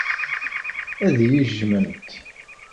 Ad iyi-jjment.